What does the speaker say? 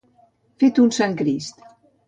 Fet un sant Crist.